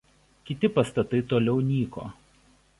Kiti pastatai toliau nyko.